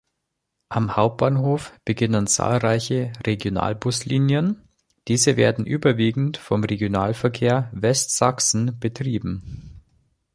Am Hauptbahnhof beginnen zahlreiche Regionalbuslinien, diese werden überwiegend vom Regionalverkehr Westsachsen betrieben.